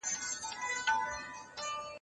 حق د الله تعالی یو لوی صفت دی.